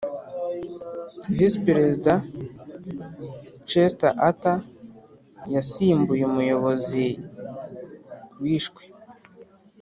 visi perezida chester arthur yasimbuye umuyobozi wishwe